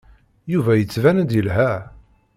Yuba yettban-d yelha.